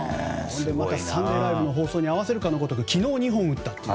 また「サンデーＬＩＶＥ！！」の放送に合わせるかのごとく昨日２本打ったという。